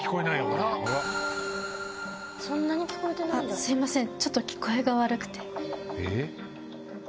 あっすいません。